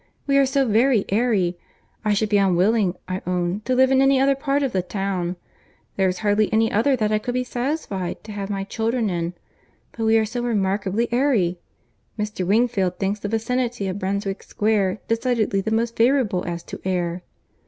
We are so very airy! I should be unwilling, I own, to live in any other part of the town;—there is hardly any other that I could be satisfied to have my children in: but we are so remarkably airy!—Mr. Wingfield thinks the vicinity of Brunswick Square decidedly the most favourable as to air."